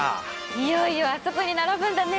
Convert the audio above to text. いよいよあそこに並ぶんだね！